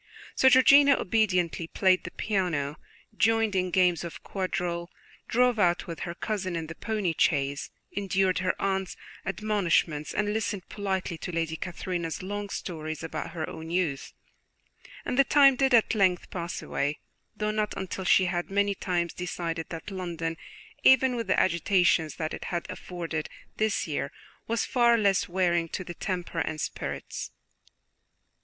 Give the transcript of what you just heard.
So Georgiana obediently played the piano, joined in games of quadrille, drove out with her cousin in the pony chaise, endured her aunt's admonishments, and listened politely to Lady Catherine's long stories about her own youth; and the time did at length pass away, though not until she had many times decided that London, even with the agitations that it had afforded this year, was far less wearing to the temper and spirits.